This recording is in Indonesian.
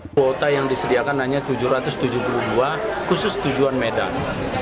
kuota yang disediakan hanya tujuh ratus tujuh puluh dua khusus tujuan medan